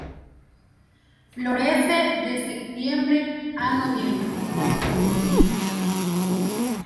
Florece de septiembre a noviembre.